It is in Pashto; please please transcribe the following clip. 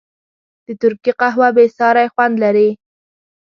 د ترکي قهوه بېساری خوند لري.